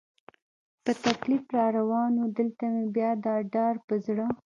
په تکلیف را روان و، دلته مې بیا دا ډار په زړه.